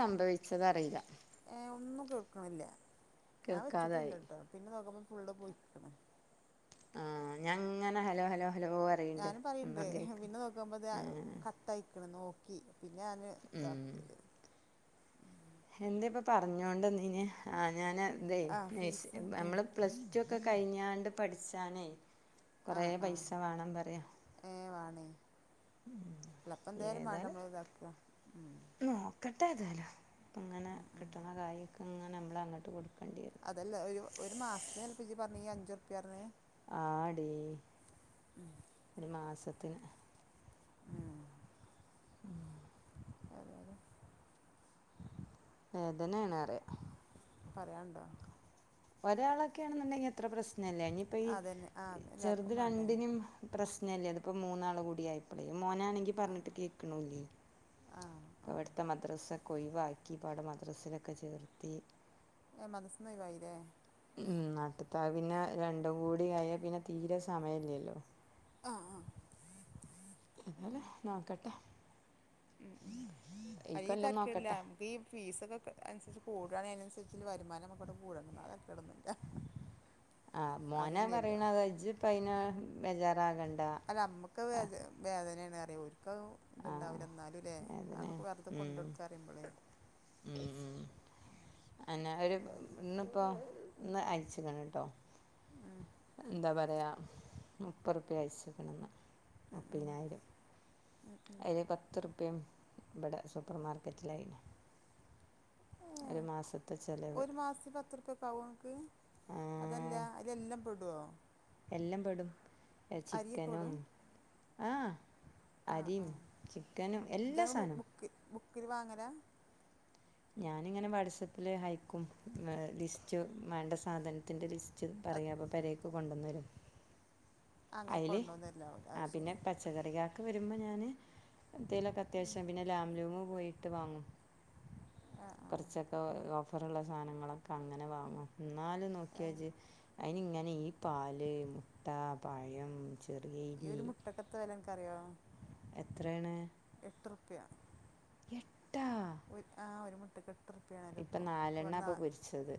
സംഭവിച്ചതറില ഏ ഒന്നും കേൾക്കണില്ല ഞാൻ വെച്ചിട്ട് ഇല്ല കേൾക്കാതായി കേട്ടോ പിന്നെ നോക്കുമ്പൾ ഫുള്ള് പോയിക്കണ് ആഹ് ഞാങ്ങനെ ഹലോ ഹലോ ഹലോ? പറയ്ണ്ട് ഞാനും പറയണ്ട് ഒന്നും കേക്ക് പിന്നെ നോക്ക്പോത് ആഹ് കട്ടയിക്കണ് നോക്കി പിന്നെ ഞാന്. [inaudible] എന്ത ഇപ്പോം പറഞ്ഞോണ്ട്ന്ന ആ ഞാൻ ഇതേ ആ ഫീസ് ഉം നമ്മൾ പ്ലസ് ടു ഒക്കെ കഴിഞ്ഞാണ്ട് പഠിച്ചാനേ കൊറേ ആഹ് ആഹ് പൈസ വേണം പറയാ ഏ വണേ എളപ്പ എന്തായാലും മാണ്ടോ ഏതായാലും നമ്മള് ഇതാക്കുക ഉം നോക്കട്ടെ ഇതല്ലോ ഇങ്ങനെ കിട്ടണ കാര്ക്കെ ഇങ്ങനെ നമ്മൾ അങ്ങോട്ട് കൊടുക്കേണ്ടി വരും. അതല്ല ഒരു ഒരു മാസത്തിന് തൽപ്പിച്ചി പറഞ്ഞ് ഈ അഞ്ച് റുപ്പ്യ ന്. ആടി ഉം ഒരു മാസത്തിന്. ഉം അതെ അതെ വേദനണ് അറിയ പറയാന്ണ്ടോ ഒരാളൊക്കെയാണെന്നുണ്ടെങ്കിൽ എത്ര പ്രശ്നല്ലേ ഇനിയിപ്പോ ഈ അതന്നെ ആ എല്ലാവർക്കും ചെറുത് വേണ്ടേ രണ്ടിനും. പ്രശ്നമല്ലേ അതിപ്പോ മൂന്നാള് കൂടിആയായിപ്പോളേ മോനാണെങ്കിൽ. ആ പറഞ്ഞിട്ട് കേക്ക്ണുല്ലേ ആ ആ മത്ത മദ്രസ്സൊക്കെ ഒഴിവാക്കി പാട മദ്രസിലൊക്കെ ചേർത്തി എ മദ്രസ ന് ഒയിവയിലോ ഉം നാട്ടത്താ പിന്നെ രണ്ടും കൂടിയായ പിന്നെ തീരെ സമയംല്ലല്ലോ ആഹ് ആഹ് എന്നാല നോക്കട്ടെ ഉം ഉ അ ഈ കൊല്ലം തരക്കമില്ല നോക്കട്ടെ ഒെ ഈ ഫീസൊക്കെ അനുസരിച്ച് കൂടവാണ അതിനനുസരിച് വരുമാനംക്കെ ട്ട് കൂടണം അതക്കെ ഇടുന്നുണ്ട് [inaudible] ആഹ് മോന പറയണ അതജ ഇപ്പൾ അന് ബേജാറാകണ്ട അല്ല നമുക്ക് ആഹ് വേദ വേദനയാണ് അറിയ ഒക്ക ആഹ് ഇതുണ്ടാവില്ല എന്നാലും അല്ലേ വേദനയാണ് ആക്ക് വെറുത കൊണ്ട് കൊടുക്കാറിയുമ്പോളേ മം ഉം അന്നാ ഒരു ഉം ഇന്നിപ്പോ ഇന്ന് അയച്ച്ക്ക്ണ് ട്ടോ എന്താ പറയാ മുപ്പറുപ്യ അയച്ച്ക്ക്ണ് ഇന്ന്. ഉ ഉ ഉ ഉ അതേ പത്ത് റുപയും ഇവിടെ സൂപ്പർമാർക്കറ്റില് ഏഹ് ഒരു മാസം ഒരു മാസത്തിൽ പത്ത് റുപ്യ ഒക്കെ ആവും നിങ്ങൾക്ക് അതല്ല അതിലെല്ലാം പെടുടോ? എല്ലാം പെടും അരിയൊക്കെ ചിക്കനും പെടും ആഹ് ആഹ് അരിയും ആഹ് ചിക്കനും ഇജ്ജ് എല്ലാ സാധനവും. ബുക്ക് ബുക്കിൽ വാങ്ങല. ഞാനിങ്ങനെ വാട്സാപ്പിൽ ഹയക്കും ലിസ്റ്റ് വേണ്ട സാധനത്തിന്റെ ലിസ്റ്റ്. [unintelligible] അത് പറയാമോ പേരേക്ക് കൊണ്ടുന്നരും. അങ്ങനെ അയിൽ കൊണ്ടുവന്നല്ലാവൂല ആ അത് പിന്നെ ശരി പച്ച പച്ചക്കറികാക്ക വരുമ്പോ ഞാൻ എന്തേലുമൊക്കെ ഉം അത്യാവശ്യം പിന്നെ ലാംലൂം് പോയിട്ട് വാങ്ങും. ആഹ് ആഹ് കുറച്ചൊക്കെ ഓഫറള്ള സാധനങ്ങളൊക്കെ അങ്ങനെ വാങ്ങും. ന്നാലും ഏഹ് നോക്കിയാജ് അതിനി ഇങ്ങനെ ഈ പാല് മുട്ട പഴം ചെറിയ ഈ ഒരു മുട്ടക്കത്ത് വില അൻക്ക്റിയോ എത്രഎണ് എട്ട്രുപ്പിയ എട്ട ഒരു ആ ഒരു മുട്ടക്ക് എട്ട്റുപ്പിയ ആണല്ലോ ഇപ്പോ. ഇപ്പോ നാലെണ്ണ ഇവ്ടുന്നാ ഇപ്പോൾ പൊരിച്ചത്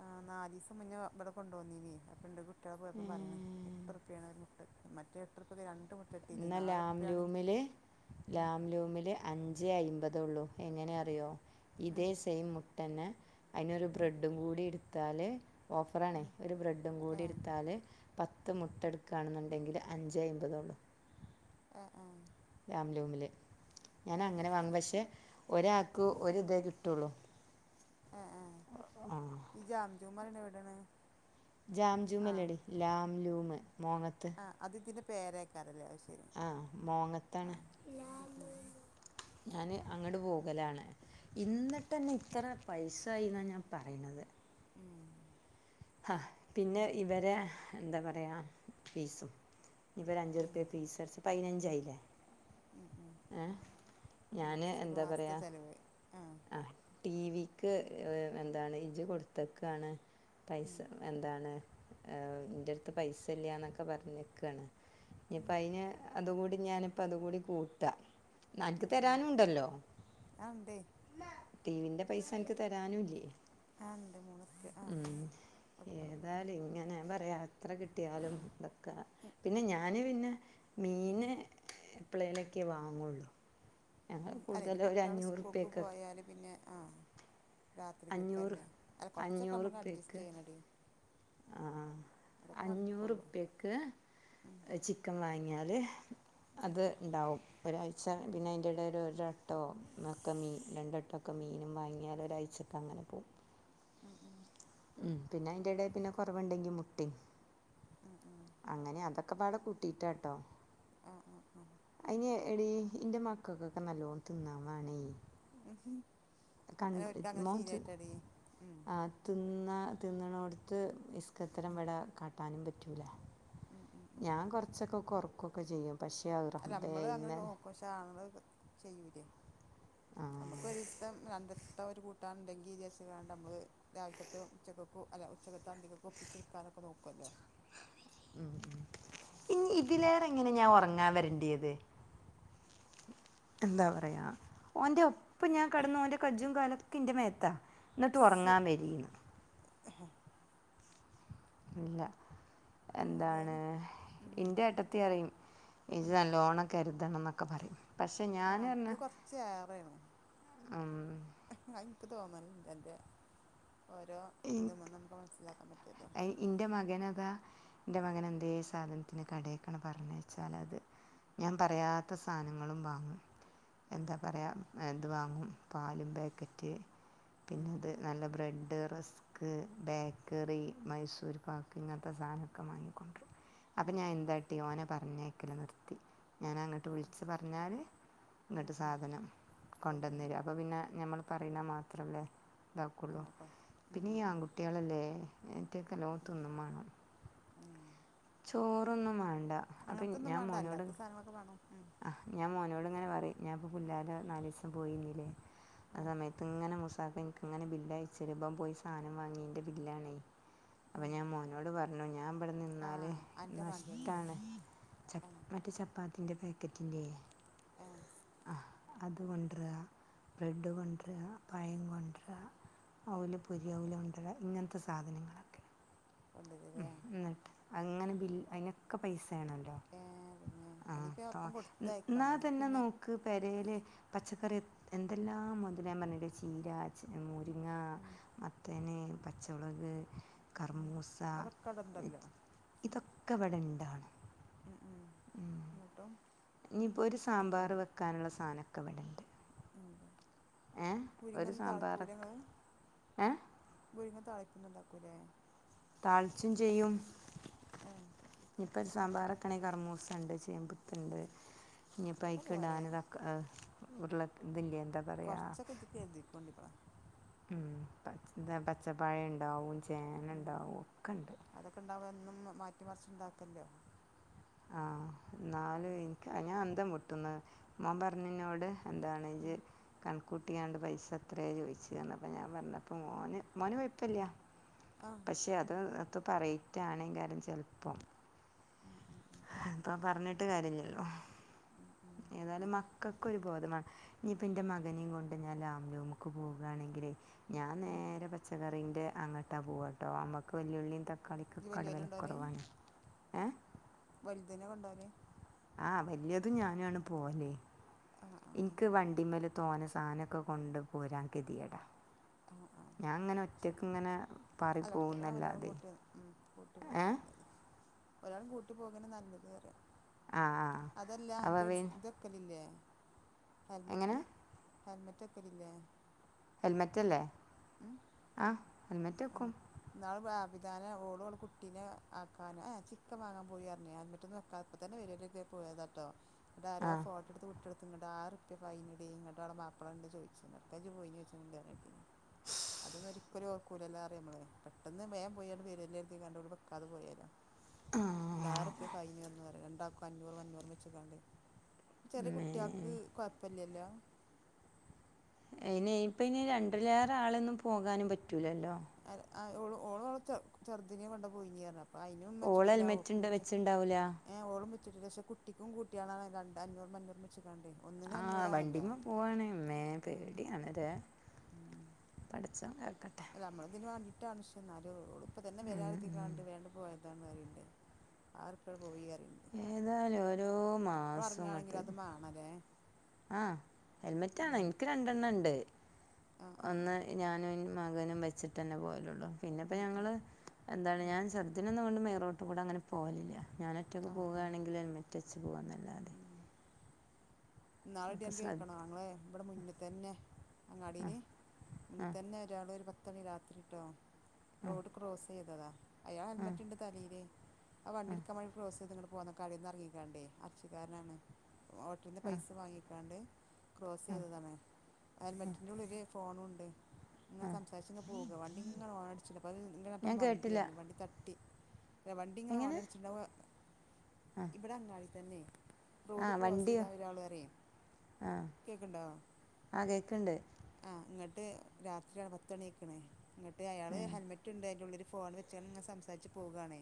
ആ നാലിസം മുന്നേ ഇവിടെ കൊണ്ട വോന്നീനി അപ്പം ഇന്റെ കുട്ടിൾ പോയപ്പം പറയണേ എട്ട്റുപ്പിണ് ഒരു മുട്ട മറ്റേ എട്ടുറുപ്പിക്ക് രണ്ട് മു എന്ന ലാംലൂമില് ലാംലൂമില് അഞ്ച് അയിബാത്ള്ളൂ എങ്ങനെ അറിയോ ഇതേ സെയിം മുട്ടന്നെ അയിനൊരു ബ്രെഡും കൂടി എടുത്താൽ ഓഫറാണേ ഒരു ബ്രെഡും ഏ കൂടി എടുത്താൽ പത്ത് മുട്ടെടുക്കുകണെന്നുണ്ടെങ്കിൽ അഞ്ചേ അയിബാത്തൊള്ളൂ. ആ ആ ലാംലൂമില് ഞാൻ അങ്ങനെ ശരി വാങ്ങും പക്ഷെ ഒരാൾക്ക് ഒരിതേ കിട്ടുള്ളൂ. ആ ആ അ ഈ ജാംജും എവിടെണ് ജാംജൂം എല്ലടി ലാംലും മോങ്ങത്ത്. ആ അത് ഇതിന്റെ പേരേക്കാറല്ലേ ആഹ് ആഹ മോങ്ങത്താണ്. ഉം, ഉം, ഞാന് അങ്ങോട്ട് പോകലാണ്. ഇന്നിട്ട്ന്നെ ഇത്ര പൈസായിന്നാ ഞാൻ പറിണത്. ഉം ആ പിന്നെ ഇവരെ എന്താ പറയാ ഫീസും. ഇവ ഉം, അഞ്ചുറിപ്പിയ ഫീസ് അടച്ച് പതിനഞ്ചായില്ലേ ഉം ഉം ഏ ഉം. ഞാന് ഒരു എന്താ മാസത്തെ പറയാ ചിലവ് ആ ടിവിക്ക് എന്താണ് ഇജ കൊടുത്തക്കാണ് പൈസ ഉം, എന്താണ് ആഹ് ഇന്റെട്ത്ത് പൈസ ഇല്ലിന്നൊക്കെ പറഞ്ഞക്കണ്. ഉം, ഞ്ഞിപ്പം അയിന് അതുകൂടി ഞാനിപ്പ അത് കൂടി കൂട്ടാ. അൻക്ക് ഉം, ഉം. തരാനുണ്ടല്ലോ ആ ഉണ്ട് ടീവിന്റെ പൈസ അൻക്ക് തരാനുല്ലി. ആ ഉണ്ട് മൂന്ന് റുപ്യ ആ ഉ ഒക്കെപ്പാടെ കൂട്ടുമ്പോൾ ഏതാലും ഇങ്ങനെ പറയാ എത്ര കിട്ടിയാലും ഇതൊക്ക പിന്നെ ഞാന് പിന്നെ മീന എപ്പലെളൊക്കെ ക്കെ വാങ്ങോള്ളൂ. ഉ അതെ കുട്ടികള് സ്കൂൾക്ക് അഞ്ഞൂറുപ്യക്ക് പോയാല് പിന്നെ ആ അഞ്ഞൂറ് രാത്രിക്കൊക്കെയല്ലേ അല്ല കുറച്ചൊക്കെ നമുക്ക് അഡ്ജസ്റ്റ് അഞ്ഞൂറുപ്പിക്ക് ചെയ്യണടി അ അതൊക്കെ അ അഞ്ഞൂറ് നടക്കുള്ളൂ ഉപ്പ്യക്ക് ഉം, ചിക്കൻ വാങ്ങിയാൽ ഉം, അത് ഉണ്ടാവും ഒരാഴ്ച ഉം, പിന്നെ അതിൻ്റെ ഇടൽ ഒരാട്ടോ മക്കമി രണ്ടട്ടമക്കെ ഒക്കെ മീനും വാങ്ങിയാൽ ഒഴ്ച്ചക്ക് അങ്ങനെ പോവും. ഉ ഉം ഉം പിന്നെ അതിന്റെട പിന്നെ കുറവുണ്ടെങ്കി മുട്ടി മ് മം അങ്ങനെ അതൊക്കെ പാടെ കൂട്ടിട്ടാട്ടോ. ആ ആ ആ. അയിന് എടി ഇന്റെ മക്കൾക്കൊക്കെ നല്ലോണം തിന്നവാണേ. ഉഹ്മ് ഹ് [unintelligible] ഒര്ക്ക് അങ്ങനെ മോൻ തി- ശീലായിട്ടടി ഉം. ആ, തിന്ന തിന്നണോടത്ത് ഇസ്‌ക്കത്തരം വട കാട്ടാനും പറ്റുല. ഉം ഉം. ഉം. ഞാൻ കുറച്ചൊക്കെ കുറക്കൊക്കെ ചെയ്യും പക്ഷെറബേ ഇന്നെ. അങ്ങള ചെയ്യൂലെ. ആ. നമുക്ക് ഒറിസ്തേ രണ്ടത്തത്തെ ഒരു കൂട്ടാണ്ണ്ടെങ്കിവിചാരിച് ങ്ങാണ്ട് നമ്മള് രാവിൽകത്ത് ഉച്ചക്കക്ക് അല്ല ഉച്ചക്ക്ത്ത് അന്തിക്കൊക്കെ ഒപ്പിച്ചെടുക്കാനൊക്കെനോക്കല്ലോ. ഉം ഞ്ഞി ഇതിലേറെ എങ്ങനെ ഞാൻ ഉറങ്ങാൻ വരണ്ടേത്. എന്താ പറയാ ഓന്റെ ഒപ്പം ഞാൻ കടന്ന ഓന്റെ കജ്ജും കാലൊക്കെ ഇന്റെ മേത്താ. ന്നിട്ട് സ് ഉറങ്ങാൻ വരിന്ന്. ഇല്ല എന്താണ്. ഏതായാലും ഉം, ഇന്റെ ഏട്ടത്തി റിം ഇജ് ഉം. അല്ലോണം കരുതണം ന്നൊക്കെ പറിം. പക്ഷെ ആ ഞാന് എനിക്ക് റഞ്ഞാ കുറച്ച് ഉം. ആഹ് ൻക്ക് തോന്നലുണ്ട് അൻ്റെ ഓരോ ത് മന്നും മക്ക് മൻസ്സിലാക്കാൻ പറ്റല്ലോ. അയി ഇന്റെ മകനതാ. ന്റെ ഉം, മകൻ എന്തേ സാധനത്തിന് കടേകാണ്ട് പറഞ്ഞയച്ചാല് അത് ഞാൻ ഉം, പറയാത്ത സാധനങ്ങളും വാങ്ങും. ഉം, എന്താ പറയ എ ത് വാങ്ങും പാലും പേക്കറ്റ്. ഉം, പിന്നെത് നല്ല bread rusk bakery Mysore pak ഇങ്ങനത്തെ സാധനക്കെ മാങ്ങിക്കൊണ്ട്റും അപ്പ ഉം, ഞൻ ഉം, എന്താ ട്ടി ഓനെ പറഞ്ഞയക്കല് നിർത്തി. ഞാന അങ്ങട്ട് ഉം, വിളിച്ച് പറഞ്ഞാൽ ഉം, ഇങ്ങട്ട് ഉം. സാധനം കൊണ്ടന്ന് കൊണ്ടുവന്നു തരും അപ്പോ പിന്നെ നഞമ്മൾ പറിണ മാത്രമല്ലേ ഇതാക്കുള്ളു ആ കൊണ്ട് ഉം, പിന്നെ ഉം, ഈ ഉം, ആൺകുട്ട്യാളല്ലേ. ന്നല്ലോം ഉം, തിന്നും മാണം. ഉം. ചോറൊന്നും മാണ്ട അപ്പ അങ്ങനത്തെ ഒന്നും ഞാൻ വേണ്ട മാനോട് അല്ലാത്ത സാധനങ്ങളൊക്കെ വേണം ഉം, ആ. ഞാൻ മോനോട് ങ്ങനെ പറിം ഞാനിപ്പോ പുല്ലാര നാലിസം പോയിന്നീലെ ആ ഉം, സമയത്ത് ഇങ്ങനെ മുസാഫയ്നു ങ്ങനെ ബില്ല് അയച്ചരും ഇബൻ പോയി സാധന വാങ്ങിന്റെ ബില്ലാ നെയ്‌ അപ്പൊ ഉം. ഞാൻ മോന് നോട് പറഞ്ഞു ഞാൻ ഇവിടെ ആ നിന്നാല് എൻ്റെ മകന് നഷ്ട്ടാണ് ച ആ മറ്റെ ചപ്പാത്തി. ത്തിന്റെ പാക്കറ്റിലെ. ആഹ്. ആ അത് കൊണ്ട്രാ ബ്രെഡ്കോണ്ട്ര പഴം കോണ്ട്ര അവ് ല് പൊരി അവ് ല് ഒണ്ടര ഇങ്ങനത്തെ സാധനങ്ങള ഉം കൊണ്ടുവരില്ലേ ന്നിട്ട് അങ്ങനെ ബില് അതിനൊക്കെ പൈസണല്ലോ ഏ പിന്നെ ആ അതിപ്പോൾ തോ അപ്പം എന്നാ കൊടുത്തയക്കണം എന്നാൽ തന്നെ പിന്നെ നോക്ക് പെരേല് പച്ചക്കറി എന്തെല്ലാം മൊതല് ഞാൻ പറഞ്ഞിലെ ചീര മുരിങ്ങ ഉം, മത്തന് പച്ചഒളക് ഉം. കറ്മൂസ അതൊക്കെ അവിടെ ഉണ്ടല്ലോ ഇതൊക്കെ ഇവിടെ ഇണ്ടാണ്. ഉം ഉം എന്ന്ട്ടാ. ഇനിയിപ്പോ ഒരു സാമ്പാർ വയ്ക്കാന്ള്ള സാധനക്കെ ഇവടെണ്ട്. മുരിങ്ങ ഒരു ഒന്നും സാമ്പാറൊക്കെ താൾക്കൂലങ്ങള്. ഏ മുരിങ്ങ താളിപ്പൊന്നും ഉണ്ടാക്കൂലേ? താൾച്ചും ചെയ്യും ഏ ഇനിപ്പൊ സാമ്പാറക്കണങ്കി കർമൂസണ്ട് ചേ ണ്ട് ഇനി അതൊക്കെ പോരെ പയ്കിടാന് തക്ക ആ ഉരുള ഇതില്ലെ ത കൊറച്ചൊക്കെ ജ് കെര്ദിക്കോണ്ടി ബളെ. ഉം പച് ന്താ പച്ചപ്പഴം ഉണ്ടാവും ഉം ചേനണ്ടാവും ഒക്കെ ഉണ്ട്. അതൊക്കെ ഉണ്ടാവുംബ എന്നും മാറ്റിമറച്ച്ണ്ടാക്കല്ലോ ആ ന്നാല് ഇൻക് ഞാ അന്തം വിട്ടുന്ന മോൻ പറഞ്ഞിന്നോട് എന്താണ് ജ്ജ് ഉം കൺകൂ ട്ടിങ്ങാണ്ട് പൈസ എത്ര ചോയ്ച്ച ഞാൻ പറഞ്ഞപ്പോ മോന് മോന് കൊയ് പ്പല്ല്യ ആ പക്ഷെ അത് എത്തും പറയ്റ്റാണെങ്കാരം ചെൽപ്പം. ഉം പ്പൊ പറഞ്ഞിട്ട് കാര്ല്ലല്ലോ ഉം ഉം ഏതായാലും അതന്നെ മക്കൾക്കൊ ഒരു ബോധമാണ് ഇഞ്യിപ്പം ഇൻ്റെ മകനിം കൊണ്ട് ഞാൻ ലാംലൂമ്ക്ക് പോവുകയാണെങ്കിൽ ഞാൻ ഉം നേരെ പച്ചക്കറിൻ്റെ അങ്ങട്ടാ പോവട്ടോ നമ്മക്ക് വെല്ലുളിയും ഇജ്ജ് തക്കാളിക്കൊക്കെ വടെവലക്കൊറവാണ് ഏഹ് വലുതനെ കൊണ്ടൊല് ആഹ് വല്യതും ഞാനാണ് പോവല് ആഹ് ഇന്ക്ക് വണ്ടിമേല് തോന സാധനൊക്കെ കൊണ്ട് പോരാ കെതിയേടാ ആ ആ ഞാൻ ഇങ്ങനെ അത് ശരി ഒറ്റക്ക് ഇങ്ങനെ പാറി അല്ല ഒറ്റക്കാവുമ്പോ ഒരാളും പോകുന്നല്ലതെ കൂട്ടി ഉം കൂട്ടി പോൻ നല്ലത് ഒരാളിം കൂട്ടി പോകെന്നെ നല്ലത് അറിയ ആ ആ അതല്ല അവ ഇജ് എട് ക്കല് ല്ലേ എങ്ങനെ ഹെൽമെറ്റ് ഹൽമെറ്റ്ക്കല് ല്ലേ ഹെൽമെറ്റ് അല്ലേ ആഹ് ആഹ് ന്നാള് ആബിതനെ ഓള് ഓളെ കുട്ടീനെ ആക്കാൻ ചിക്കൻ വാങ്ങാൻ പോയി അറിഞ്ഞ്ലെ ഹെലമറ്റൊന്ന് വെക്കാത്ത അപ്പ തന്നെ വരലൊ കരുതി പോയതാ ട്ടോ ന്നട്ട് ആരോ ആ ഫൊ ട്ടടുത്ത് വിട്ടടുത്ത് ഇങ്ങട്ട് ആയിറ്പ്പിയ ഫൈൻ എടി ഞ്ഞട്ട് ഓളെ മാപ്പള ഇണ്ട് ചോയിച്ച്ന് എവുടുക്ക ജ്ജ് പോയിന്ന് പറയിണേട്ടീനി അതൊന്നരിക്കലു ഓ കൂലല്ല അറിയമ്മളെ പെട്ടെന്ന് വേ പോയ്ണ്ട് വെരൊല്ലൊ കരുതികാണ്ടവിടെ വെക്കാത പൊയൊലൊ പോയാലോ ആറുപ്പ്യ ഫൈന് വന്നു വരാ രണ്ടാക്കും അഞ്ഞൂറും അഞ്ഞൂറും വെച്ച്ക്കാണ്ടേ ചെറിയ മേ കുട്ട്വാക്ക് കൊഴപ്പല്ലല്ലോ അയിന് ഇപ്പെയിന് രണ്ടിലേറെ ആളൊന്നും പോകാനും പറ്റൂലല്ലോ അയ് അയ് ഓ ഓളോള ചെർദിനിനെ കൊണ്ട് പോയിനേ അപ്പം ആണിനും ഓള് വെച്ചിട്ടില്ല ഒക്കും ഹെൽമെറ്റ്ണ്ട് വെച് വെച്ചിണ്ടാവൂല ഏ ഓളും വെിച്ചിട്ടില്ല പക്ഷ കുട്ടിക്കും കൂട്ടിയാണ രണ്ട് അഞ്ഞൂറും മഞ്ഞൂറും വെച്ചക്കാണ്ടേ ഒന്നിനു അഞ്ഞൂറാണല്ലോ പോവണ മ്മേ പേടിയണല്ലേ ഉം പടച്ചോൻ കക്കട്ടെ അല്ല നമ്മള ഇതിന് വേണ്ടിട്ടാണ്ക്ഷേ നല്ല ഇപ്പ തന്നെ വരാരുതിങാണ്ട് പോയത് താണ് അറിണ്ട് ആയിരുറപ്യ പോയി പറിയിണ്ട് ഏതായാലും ഓരോ മാസം ഇങ്ങട്ട് മലെ ആഹ് ഹെൽമെറ്റാണം ഇന്ക്ക് രണ്ടെണ്ണം ഉണ്ട് ആ ആ ഒന്ന് ഞാനും മകനും വെച്ചിട്ട് തന്നെ പോലൊള്ളൂ പിന്നെപ്പോ ഉം ഉം ഞങ്ങള് എന്താണ് ഉം ഞാൻ ചെറുദിനൊന്നും കൊണ്ട് മെയിറോട്ട് കൂടെ അങ്ങനെ പോകലില്ല ഞാന ഒറ്റക്ക് ആ ആ പോവയാണെങ്കിൽ ഹെലമേറ്റ് ച്ച് പോകുന്നല്ലാതെ ഇനാള് എടി ഒക്കെ അനക്ക് ശ്രദ്ധ കേക്കാണോ അങ്ങളെ ഇവിടെ മുന്നിൽ തന്നെ അങ്ങാടിൽ മുന്നിൽ ആഹ് തന്നെ ഒരാള് ഒരു പത്ത് ണി രാത്രിട്ടോ റോഡ് ക്രോസ് ചെയ്തതാ അയാൾ ഹെൽമറ്റ് ഇണ്ട് തലെല് ആ വണ്ടിയ എടുക്കാൻ ക്രോസയ്ത് ങ്ങട്ട് പോന്ന കാടെന്നു ഇറങ്ങിങ്ങി കാണ്ടെ അർച്ചി കാരനാണ് ഹൊട്ട പൈസ വാങ്ങിക്കാണ്ട് ക്രോസ് യ്തതാണ് ഹെലമറ്റിന്റെ ഉള്ളില് ഫോണുണ്ട് ഇങ്ങനെ സംസാരിച്ച ഇങ്ങ പോക വണ്ടി ഇങ്ങന ഓണ് അടിച്ച്ണ്ട് അത് ഇങ്ങട്ട ഞാൻ കേട്ടില്ല മണ്ടിപറഞ്ഞു വണ്ടി തട്ടി വണ്ടിങ്ങനെ എങ്ങനെ ഓണടിച്ചിട്ടുണ്ടാവ ഇവിടെ അങ്ങാടി തന്നെ റോഡ് ആഹ് ക്രോസ് വണ്ടിയോ ചെയ്താൽ ഒരാള്റിയും കേക്ക്ണ്ടോ ആഹ് കേക്ക്ണ്ട് ആഹ് ഇങ്ങട്ട് രാത്രി പത്ത ണിയയ്ക്ക്ണ് ഇങ്ങട്ട് അയാള് ആഹ് ഹെൽമെറ്റ് റ്റ്ണ്ട് അയ്ന്റെുള്ളില് ഫോൺ വെച്ചണ്ട് ങ്ങനെ സംസാരിച്ച് പോകാണ്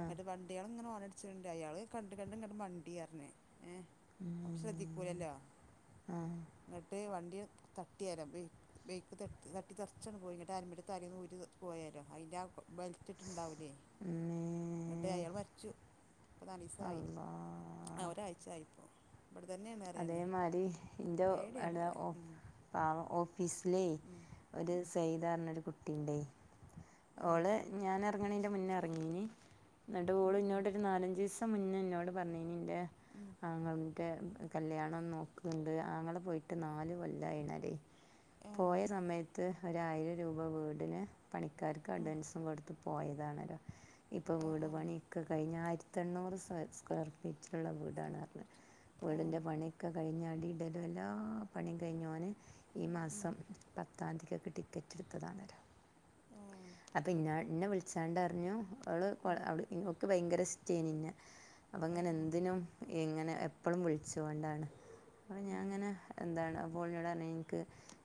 ആഹ് ന്നെട്ട് വണ്ടിയേള്ങ്ങനെ ഓണട് ച്ച്ണ്ട് അയാള് കണ്ട് കണ്ട് ഇങ്ങട്ട് മണ്ടി യർഞ്. ഏ അമൾ ശ്രദ്ധിക്കൂല്ലല്ലോ ആഹ് ങ്ങട്ട് വണ്ടി തട്ടീലൊ ബൈക്ക് ബൈക്ക് തട്ടി തട്ടി തെർച്ചാണ്ട് പോയി ങ്ങട്ട് എൽമട്ട് തലേന്ന് ഊരി പോയേ ലോ അയിൻ്റെ ആ ബെൽറ്റ്ട്ട്ണ്ടാവുലേ മ്മേ ന്നട്ട് അയാള് മര്ച്ചു ഇപ്പ നാലീസായി. അള്ളാ ആഹ് ഒരാഴ്ച ആയിപ്പോ ഇവിടെ തന്നെയണ് അറിയാനേ അതേമാരി പേടിയാണ് അറിയ ഉം പവൊ ഓഫീസിലേ ഉം ഒരു ഉം സെയദാറിന ഒരു കുട്ടിണ്ടേ ആ ഓള് ഞൻ എർങ്ങണേന്റെ മുന്നേ എർങ്ങീഞ് ന്നട്ട് ഓള് ഉം ഉം ഇനോടൊരു നാലഞ്ചസ് പ മുന്നേ എന്നോട് പറഞ്ഞീഞ് ന്റെ ഉം ആങ്ങൾന്റെ കല്യാണം നോക്ണ്ട് ആങ്ങള പോയിട്ട് നാല് കൊല്ലായിണടി ആ പോയ സമയത്ത് ഒരായിരം രൂപ വീടിന് പണിക്കാർക്ക് ഉം അഡ്വാൻസും കൊടുത് പോയതാണല്ലോ ഇപ്പോ ആഹ് വീട് ആഹ് പണിയൊക്കെ കഴിഞ് ആയിരത്ത എണ്ണൂറ് സ് സ്ക്വയർ പീച്ചിള്ള വീടാണർഞ് സർട്ടിഫിക്കറ്റ് വീടിൻന്റെ ആഹ് പണിയൊക്കെ കഴിഞ് അടിടെലും എല്ലാ പണികഴിഞ്ഞോൻ ഈ ഉം മാസം പ താന്തികക് ടിക്കറ്റ്ട്ത്തതാണല്ലോ ഏഹ് അപ്പെ ഇന്ന ഇന്ന വിളിച്ചാണ്ടർഞ്ഞു അള് ഉം വളെ അവ്ട് നക്ക് ഭയങ്കര ഇഷ്ടയിനിന്നെ അപ്പങ്ങനെ ആഹ് ആഹ് എന്തിനും ഇങ്ങനെ എപ്പളും വിളിച്ചോണ്ടാണ് അപ്പം ഉം ഞാൻങ്ങനെ എന്താണ് അപ്പോൾ നോടർഞ് ഇൻക്ക്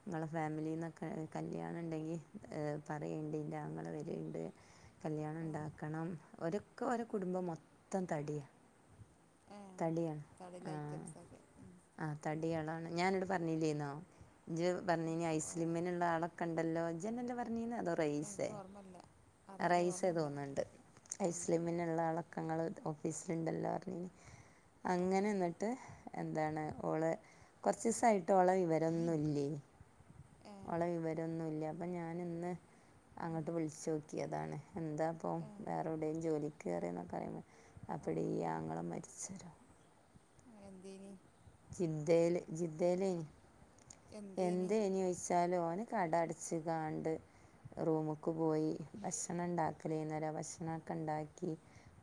ങ്ങളെ ഫാമിലിന്നൊക്കെ കല്യാണണ്ടെങ്കി ഏഹ് പറയേണ്ടി ന്റെ ആങ്ങളവര്ണ്ട് ആഹ് കല്യാണംണ്ടാക്കണം ഒരോക്കെ ഒരോ കുടുംബം മൊത്തം തടിയാ ആഹ് തടിയാണ് കടയിലെ ആഹ് ഐറ്റംസൊക്കെ ഉം ആഹ് തടി ആളാണ് ഞാ അനോട് പറഞ്ഞില്ലേന്നോ ഇജ് പർഞ്ഞിഞ് എനിക്ക് ഓർ ഐസ്ക്മിനുള്ള ആളൊ കണ്ടല്ലോ ജ്ന്നെല്ലെ പറഞ്ന്ന് അതോ റേസെ എനിക്ക് ഓർമ്മല്ല അറിയില്ല അറയ്സേ ഓർമ്മല്ല തോന്ന്ണ്ട് ആഹ് അയ്സ്ലിം മ്ന്ള്ളആളൊക്കങ്ങൾ ഓഫീസ്ലുണ്ടല്ലോർഞ് ആഹ് അങ്ങനെ ന്ന്ട്ട് എന്താണ് ഓള് കുർച്ചിസയിട്ട് ഓളെ ഇവ രൊന്നുല്യേ ആഹ് ഓളെ വിവരംന്നുല്ല അപ്പൊ ഞാൻ ഇന്ന് ഉം അങ്ങട്ട് വിളിച്ചോക്കി ക്കിയതാണ് എന്താ അപ്പം ആഹ് വേറെവിടെയും ജോലിക്ക് കേറിയൊന്നൊക്കെ അറിയൻ അപ്പടീ ഈ ആങ്ങളമര് ചോലോ എഹ് എന്തെനി? ചിന്തേല് ജിദ്ദേലേന് എന്തേനി എന്തേഞ്ഞോയിച്ചാല് ഓന് കട അടച്ച്കാണ്ട് റൂമ്ക്ക് പോയി ഭക്ഷണണ്ടാക്കലേയ് നേരം ഭക്ഷണകെണ്ടാക്കി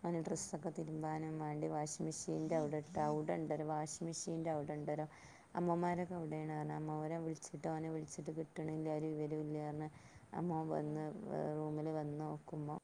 അവന് ആഹ് ഡ്രസ്സൊക്കെ തിരുമ്പാനും വേണ്ടി വാശി മെഷീന്റെ അവിടെട്ട് അവ്ടെണ്ടൊര് വാഷ്മിഷീന്റെ അവ്ടെണ്ടരോ അമ്മോമാരൊക്കെ അവിടെണ്ർ മ്മോരേ വിൾച്ചിട്ട് ഓനെ വിളിച്ചിട്ട് കിട്ട്ണില്ലരും ഇവരൂല്ലർഞ് അമ്മോൻ ആഹ് വെന്ന് വെറു വെല് വന്നൊക്കുമ്പോ